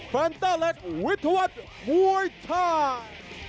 ฟันต้าเลควิธวัฒน์มวยไทย